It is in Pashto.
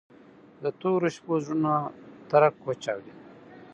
د تورو شپو زړونه ترک وچاودي